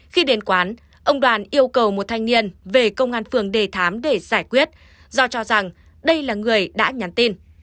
khi đến quán ông đoàn yêu cầu một thanh niên về công an phường đề thám để giải quyết do cho rằng đây là người đã nhắn tin